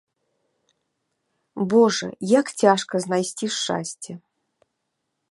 Божа, як цяжка знайсці шчасце.